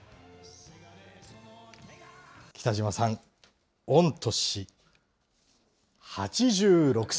北島さん、御年８６歳。